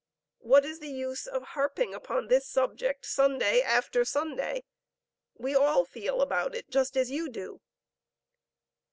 What, is the use of harping upon this subject Sunday after Sunday? We all feel about it just as you do.'